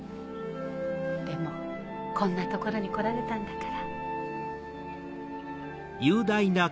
でもこんな所に来られたんだから。